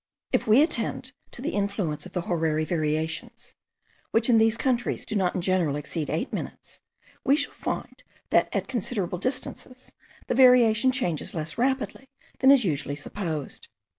If we attend to the influence of the horary variations, which in these countries do not in general exceed 8 minutes, we shall find, that at considerable distances the variation changes less rapidly than is usually supposed.